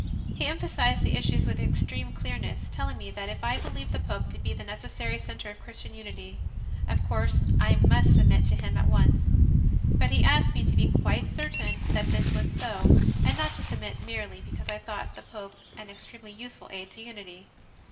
He emphasized the issues with extreme clearness, telling me that if I believed the Pope to be the necessary centre of Christian unity, of course I must submit to him at once; but he asked me to be quite certain that this was so, and not to submit merely because I thought the Pope an extremely useful aid to unity.